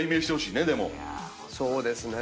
そうですね。